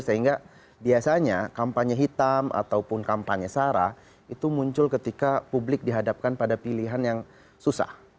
sehingga biasanya kampanye hitam ataupun kampanye sara itu muncul ketika publik dihadapkan pada pilihan yang susah